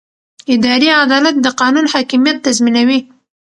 اداري عدالت د قانون حاکمیت تضمینوي.